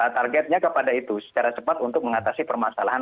targetnya kepada itu secara cepat untuk mengatasi permasalahan